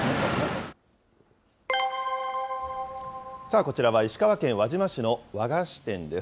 こちらは石川県輪島市の和菓子店です。